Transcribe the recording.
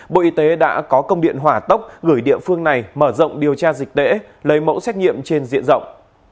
bộ y tế đã có công điện hỏa tốc gửi địa phương này mở rộng điều tra dịch tễ lấy mẫu xét nghiệm trên diện rộng